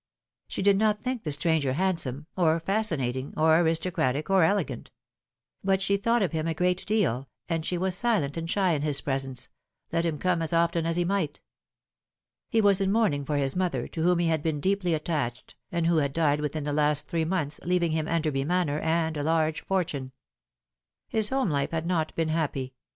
She did not think the stranger handsome, or fascinating, or aristocratic, or elegant ; but she thought of him a great deal, and she was silent and shy in his presence, let him come as of teu as he might. He was in mourning for his mother, to whom he had been deeply attached, and who had died within the last three months, leaving him Enderby Manor and a large fortune. His home life had not been happy.